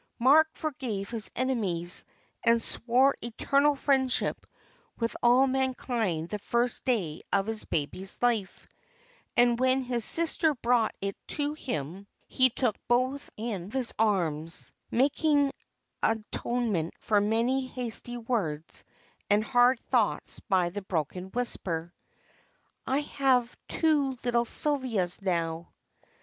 Mark forgave his enemies, and swore eternal friendship with all mankind the first day of his baby's life; and when his sister brought it to him he took both in his arms, making atonement for many hasty words and hard thoughts by the broken whisper "I have two little Sylvias now."